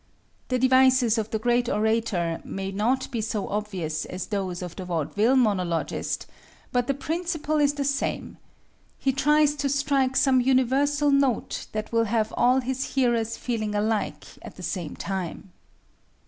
The devices of the great orator may not be so obvious as those of the vaudeville monologist, but the principle is the same: he tries to strike some universal note that will have all his hearers feeling alike at the same time.